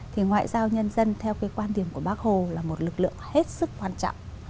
thì ngoại giao nhân dân theo cái quan điểm của bác hồ là một lực lượng hết sức quan trọng